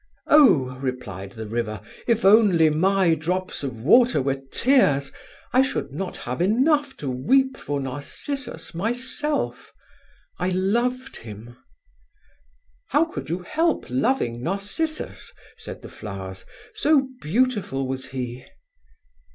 "'Oh,' replied the River, 'if only my drops of water were tears, I should not have enough to weep for Narcissus myself I loved him.' "'How could you help loving Narcissus?' said the flowers, 'so beautiful was he.'